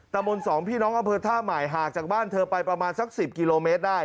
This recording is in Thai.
มนต์สองพี่น้องอำเภอท่าใหม่ห่างจากบ้านเธอไปประมาณสัก๑๐กิโลเมตรได้